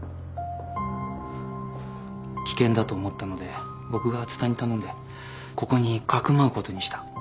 危険だと思ったので僕が蔦に頼んでここにかくまうことにした。